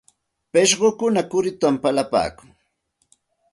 Pishqukuna kurutam palipaakun.